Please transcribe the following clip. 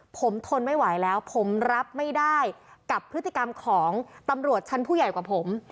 ผมทนไม่ไหวแล้วผมรับไม่ได้กับพฤติกรรมของตำรวจชั้นผู้ใหญ่กว่าผม